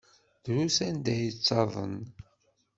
Drus anda ay yettaḍen.